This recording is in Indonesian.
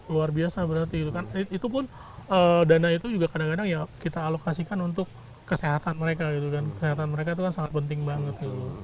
luar biasa berarti itu pun dana itu kadang kadang kita alokasikan untuk kesehatan mereka kesehatan mereka itu kan sangat penting banget